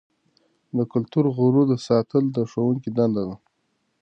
د کلتوري غرور ساتل د ښوونکي دنده ده.